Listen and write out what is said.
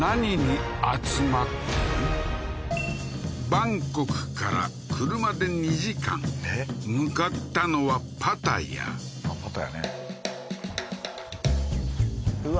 バンコクから車で２時間向かったのはパタヤパタヤねうわ